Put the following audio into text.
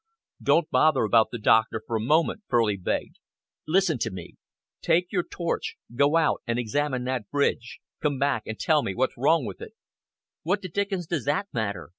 "Don't bother about the doctor for a moment," Furley begged. "Listen to me. Take your torch go out and examine that bridge. Come back and tell me what's wrong with it." "What the dickens does that matter?"